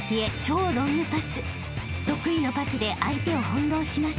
［得意のパスで相手を翻弄します］